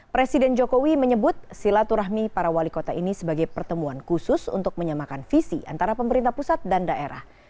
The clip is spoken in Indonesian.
presiden jokowi menyebut silaturahmi para wali kota ini sebagai pertemuan khusus untuk menyamakan visi antara pemerintah pusat dan daerah